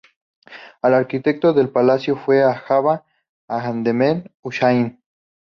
El arquitecto del palacio fue Agha Ahmed Hussain.